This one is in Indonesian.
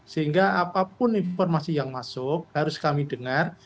sehingga apapun informasi yang masuk harus kami dengar